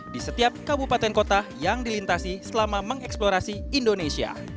di setiap kabupaten kota yang dilintasi selama mengeksplorasi indonesia